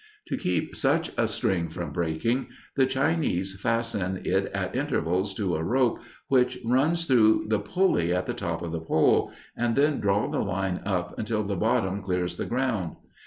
To keep such a string from breaking, the Chinese fasten it at intervals to a rope which runs through the pulley at the top of the pole, and then draw the line up until the bottom clears the ground.